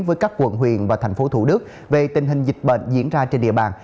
với các quận huyện và thành phố thủ đức về tình hình dịch bệnh diễn ra trên địa bàn